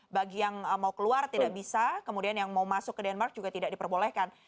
bagi yang mau keluar tidak bisa kemudian yang mau masuk ke denmark juga tidak diperbolehkan